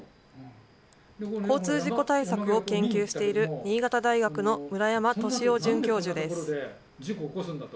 交通事故対策を研究している新潟大学の村山敏夫准教授です。